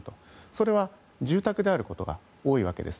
それは住宅であることが多いわけです。